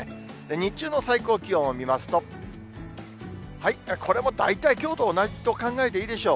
日中の最高気温を見ますと、これも大体きょうと同じと考えていいでしょう。